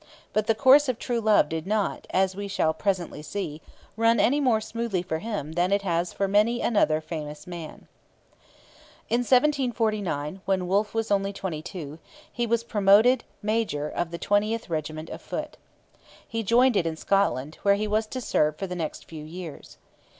But the course of true love did not, as we shall presently see, run any more smoothly for him than it has for many another famous man. In 1749, when Wolfe was only twenty two, he was promoted major of the 20th Regiment of Foot. He joined it in Scotland, where he was to serve for the next few years.